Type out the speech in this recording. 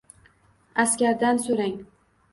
Askardan so’rang.